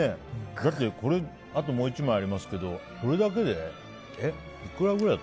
あともう１枚ありますけどこれだけでいくらぐらい？